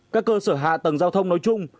các cơ sở hạ tầng giao thông nói chung